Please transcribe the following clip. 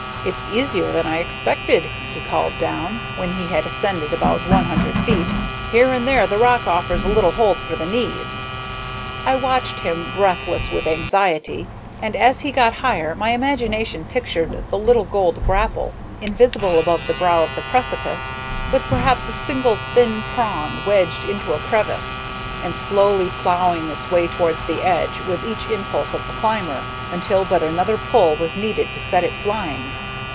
"It's easier than I expected," he called down, when he had ascended about one hundred feet. "Here and there the rock offers a little hold for the knees." I watched him, breathless with anxiety, and, as he got higher, my imagination pictured the little gold grapple, invisible above the brow of the precipice, with perhaps a single thin prong wedged into a crevice, and slowly ploughing its way towards the edge with each impulse of the climber, until but another pull was needed to set it flying!